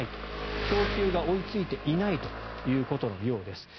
供給が追いついていないということのようです。